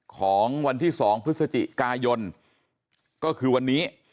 ของวันที่สองพมก็คือวันนี้